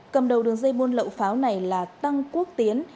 cầm đầu đường dây buôn lậu pháo này là tăng quốc tiến